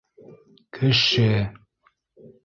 Кеше.